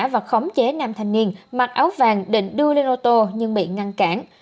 và khống chế nam thành niên mặc áo vàng định đưa lên ô tô nhưng bị ngăn